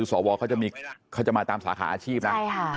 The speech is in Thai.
สอวรเขาจะมาตามสาขาอาชีพนะ